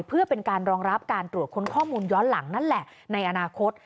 เพื่อเป็นการรองรับการตรวจค้นข้อมูลย้อนหลังนั่นแหละในอนาคต